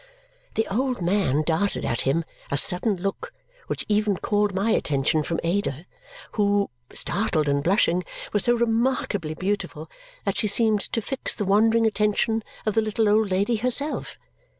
The old man darted at him a sudden look which even called my attention from Ada, who, startled and blushing, was so remarkably beautiful that she seemed to fix the wandering attention of the little old lady herself.